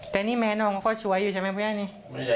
แต่นี่แม่น้องพ่อช่วยอยู่ใช่ไหมพ่อแย่นี่